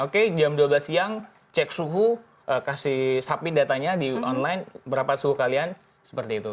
oke jam dua belas siang cek suhu kasih submit datanya di online berapa suhu kalian seperti itu